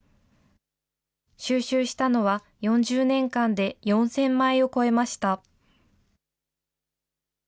収集したのは４０年間で４０００枚を超えました。